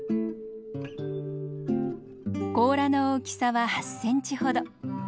甲羅の大きさは８センチほど。